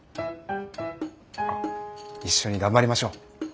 一緒に頑張りましょう。